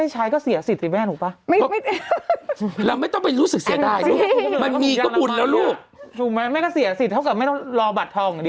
ใช้ถ้าไม่แบบไหน